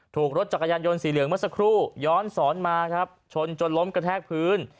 ถูกรถจักรยานยนต์สีเหลืองเมื่อสักครู่ย้อนสอนมาครับชนจนล้มกระแทกพื้น